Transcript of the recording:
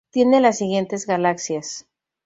Tiene las siguientes galaxias